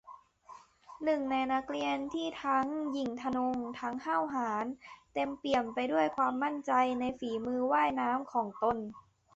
หนึ่งในนักเรียนที่ทั้งหยิ่งทะนง ทั้งห้าวหาญ เต็มเปี่ยมไปด้วยความมั่นใจในฝีมือว่ายน้ำของตน